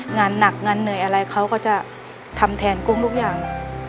งานหนักงานเหนื่อยอะไรเขาก็จะทำแทนกุ้งทุกอย่าง